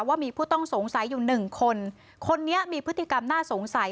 ว่ามีผู้ต้องสงสัยอยู่หนึ่งคนคนนี้มีพฤติกรรมน่าสงสัย